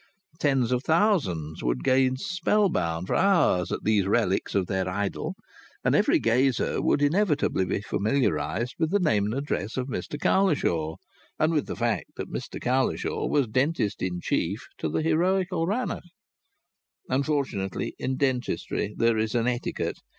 Tens of thousands would gaze spellbound for hours at those relics of their idol, and every gazer would inevitably be familiarized with the name and address of Mr Cowlishaw, and with the fact that Mr Cowlishaw was dentist in chief to the heroical Rannoch. Unfortunately, in dentistry there is etiquette.